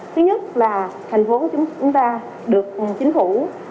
thứ nhất là thành phố của chúng ta được chính phủ